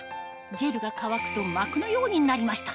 ジェルが乾くと膜のようになりました